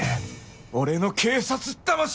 俺の警察魂！